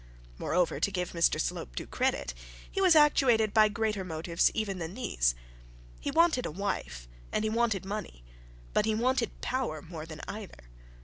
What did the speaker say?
Moreover, to give Mr Slope due credit, he was actuated by greater motives even than these. He wanted a wife, and he wanted money, but he wanted power more than either.